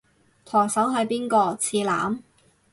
舵手係邊個？次男？